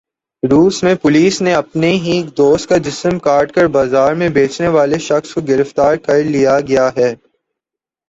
روس میں پولیس نے اپنے ہی دوست کا جسم کاٹ کر بازار میں بیچنے والے شخص کو گرفتار کرلیا گیا ہے